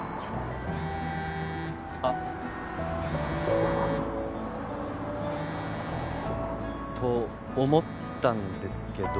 あっ。と思ったんですけど。